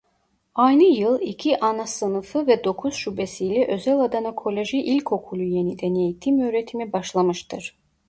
Aynı yıl iki Anasınıfı ve dokuz şubesiyle Özel Adana Koleji İlkokulu yeniden eğitim-öğretime başlamıştır.